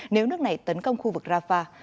nếu nước này tấn công khu vực rafah